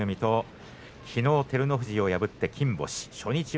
きのう照ノ富士を破って金星。